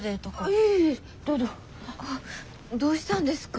どうしたんですか？